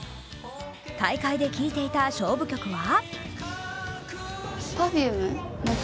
大会で聴いていた勝負曲は？